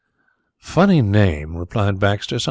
"Funny name," replied Baxter.